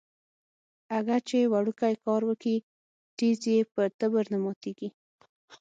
اگه چې وړوکی کار وکي ټيز يې په تبر نه ماتېږي.